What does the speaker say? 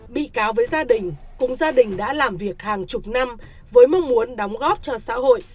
bị cáo với gia đình cùng gia đình đã làm việc hàng chục năm với mong muốn đóng góp cho xã hội